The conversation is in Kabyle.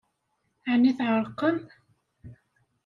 Ɛni tɛeṛqem?